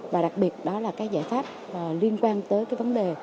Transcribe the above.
và đặc biệt đó là giải pháp liên quan tới vấn đề